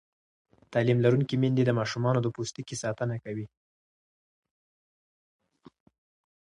تعلیم لرونکې میندې د ماشومانو د پوستکي ساتنه کوي.